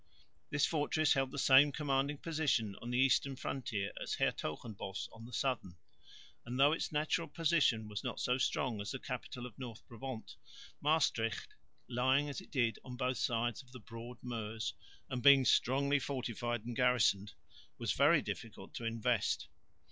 This fortress held the same commanding position on the eastern frontier as Hertogenbosch on the southern; and, though its natural position was not so strong as the capital of North Brabant, Maestricht, lying as it did on both sides of the broad Meuse, and being strongly fortified and garrisoned, was very difficult to invest.